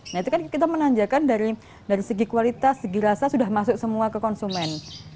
nah itu kan kita menanjakan dari segi kualitas segi rasa sudah masuk semua ke konsumen